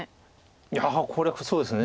いやこれそうですね。